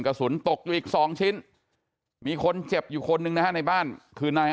กระสุนตกอยู่อีก๒ชิ้นมีคนเจ็บอยู่คนหนึ่งนะฮะในบ้านคือนาย